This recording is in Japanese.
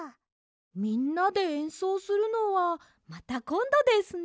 みんなでえんそうするのはまたこんどですね。